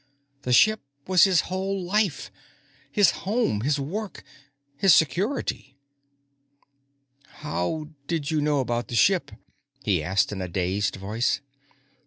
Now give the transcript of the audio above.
The ship was his whole life his home, his work, his security. "How did you know about the ship?" he asked in a dazed voice.